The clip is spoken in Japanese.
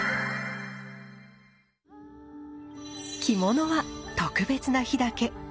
着物は特別な日だけ。